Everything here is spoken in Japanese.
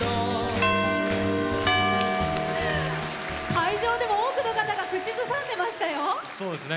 会場でも多くの方が口ずさんでましたよ。